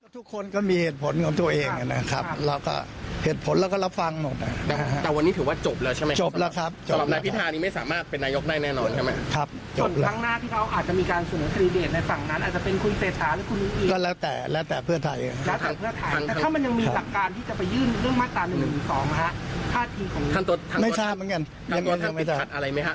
แต่ถ้ามันยังมีหลักการที่จะไปยื่นเรื่องมาตรา๑๑๒ถ้าทีของทางตัวทางติดคัดอะไรไหมครับ